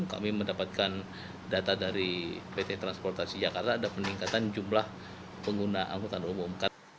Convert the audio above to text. kami mendapatkan data dari pt transportasi jakarta ada peningkatan jumlah pengguna angkutan umum